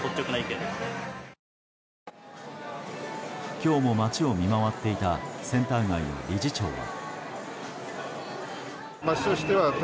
今日も街を見回っていたセンター街の理事長は。